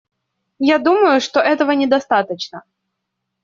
Я думаю, что этого недостаточно.